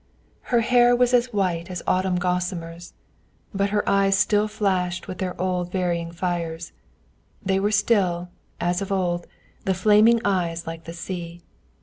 Her hair was as white as autumn gossamers, but her eyes still flashed with their old varying fires they were still, as of old, the flaming eyes like the sea!